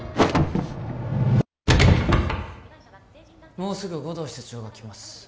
もうすぐ護道室長が来ます